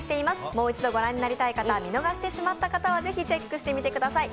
もう一度御覧になりたい方、見逃してしまった方はぜひチェックしてみてください。